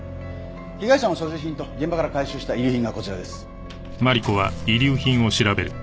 被害者の所持品と現場から回収した遺留品がこちらです。